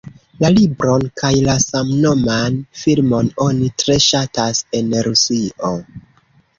La libron kaj la samnoman filmon oni tre ŝatas en Rusio.